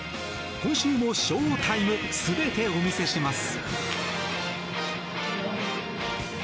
今週もショータイム全てお見せします。